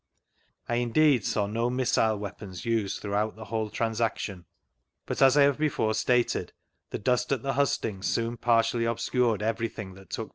I indeed saw no missile weapons used throughout ■V Google ^ STANLEY'S NARRATIVE 23 the whole transaction, but as I have before stated, the dust at the hustings soon partially obscured everything that took pla.